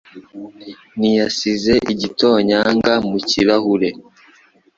Ntiyasize igitonyanga mu kirahure.